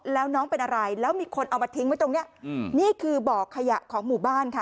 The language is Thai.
แล้วน้องเป็นอะไรแล้วมีคนเอามาทิ้งไว้ตรงนี้นี่คือบ่อขยะของหมู่บ้านค่ะ